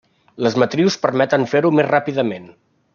Les matrius permeten fer-ho més ràpidament.